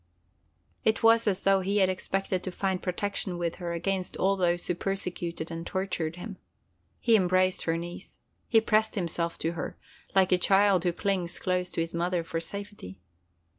It was as though he had expected to find protection with her against all those who persecuted and tortured him. He embraced her knees. He pressed himself against her, like a child who clings close to his mother for safety.